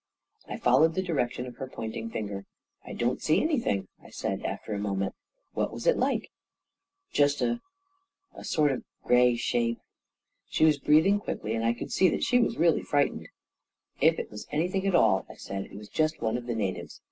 I followed the direction of her pointing finger. " I don't see anything," I said, after a moment. "What was it like?" " Just a — a sort of gray shape." She was breathing quickly, and I could see that she was really frightened. A KING IN BABYLON 171 " If it was anything at all," I said, " it was just one of the natives.